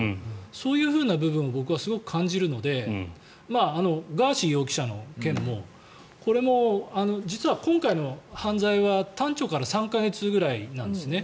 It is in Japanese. そういう部分を僕はすごく感じるのでガーシー容疑者の件もこれも実は今回の犯罪は端緒から３か月くらいなんですね。